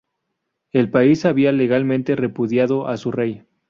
El país había legalmente repudiado a su rey.